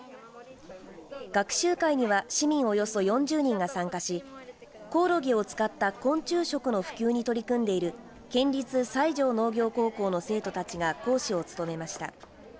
学習会には市民およそ４０人が参加しコオロギを使った昆虫食の普及に取り組んでいる県立西条農業高校の生徒たちが講師を務めました。